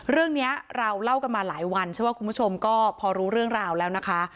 เรื่องนี้เราเล่ากันมาหลายวันเชื่อว่าคุณผู้ชมก็พอรู้เรื่องราวแล้วนะคะ